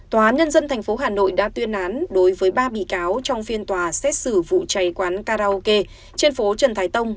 tòa án nhân dân tp hà nội đã tuyên án đối với ba bị cáo trong phiên tòa xét xử vụ cháy quán karaoke trên phố trần thái tông